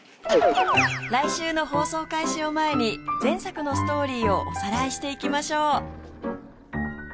来週の放送開始を前に前作のストーリーをおさらいしていきましょう